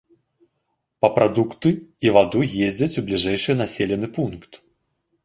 Па прадукты і ваду ездзяць у бліжэйшы населены пункт.